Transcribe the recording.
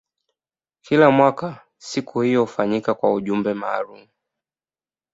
Kila mwaka siku hiyo hufanyika kwa ujumbe maalumu.